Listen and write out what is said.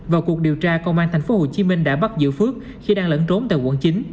vào cuộc điều tra công an tp hcm đã bắt giữ phước khi đang lẫn trốn tại quận chín